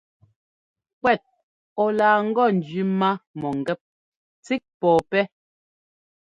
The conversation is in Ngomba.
Kuɛt ɔ laa ŋgɔ njẅi má mɔ̂ngɛ́p tsík pɔ̂pɛ́.